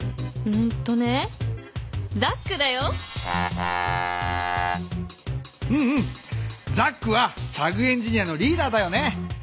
うんうんザックはチャグ・エンジニアのリーダーだよね。